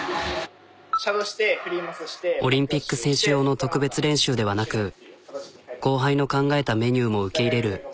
オリンピック選手用の特別練習ではなく後輩の考えたメニューも受け入れる。